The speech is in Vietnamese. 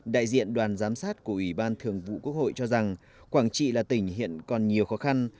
đại diện đoàn giám sát của ủy ban thường vụ quốc hội cho rằng quảng trị là tỉnh hiện còn nhiều khó khăn